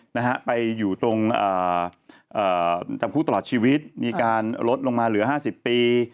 นะฮะไปอยู่ตรงอ่าเอ่อจำคุกตลอดชีวิตมีการลดลงมาเหลือห้าสิบปี